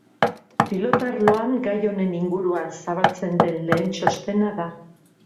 Pilota arloan gai honen inguruan zabaltzen den lehen txostena da.